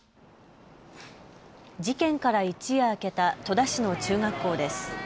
事件から一夜明けた戸田市の中学校です。